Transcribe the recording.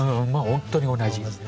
本当に同じ。